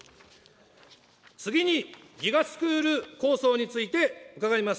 次に、ＧＩＧＡスクール構想について伺います。